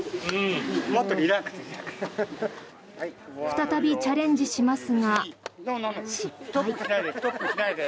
再びチャレンジしますが失敗。